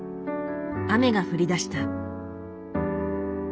雨が降りだした。